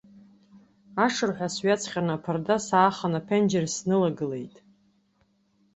Ашырҳәа сҩаҵҟьан аԥарда сааханы аԥенџьыр снылагылеит.